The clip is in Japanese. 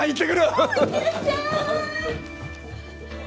うんいってらっしゃい！